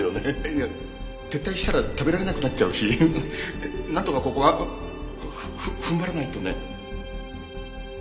いや撤退したら食べられなくなっちゃうしなんとかここはふ踏ん張らないとね。